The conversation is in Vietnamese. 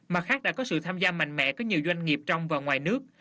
mặt khác đã có sự tham gia mạnh mẽ của nhiều doanh nghiệp trong và ngoài nước